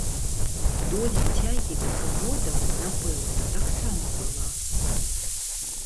Доля цягі да прыгодаў, напэўна, таксама была.